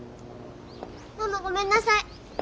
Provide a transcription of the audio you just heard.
ママごめんなさい。